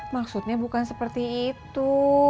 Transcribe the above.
maksudnya bukan seperti itu